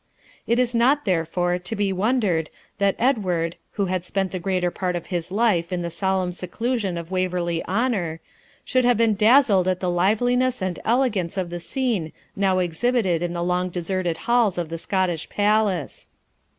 It is not, therefore, to be wondered that Edward, who had spent the greater part of his life in the solemn seclusion of Waverley Honour, should have been dazzled at the liveliness and elegance of the scene now exhibited in the long deserted halls of the Scottish palace.